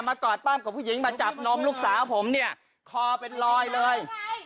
กอดปั้มกับผู้หญิงมาจับนมลูกสาวผมเนี่ยคอเป็นลอยเลย